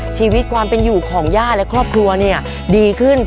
ชีวิตความเป็นอยู่ของย่าและครอบครัวเนี่ยดีขึ้น